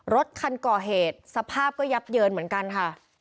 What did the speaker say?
รถคันก่อเหตุสภาพก็ยับเยินเหมือนกันค่ะ